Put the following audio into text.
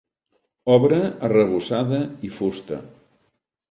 Obra arrebossada i fusta.